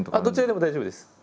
どちらでも大丈夫です。